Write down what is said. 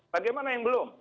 bagaimana yang belum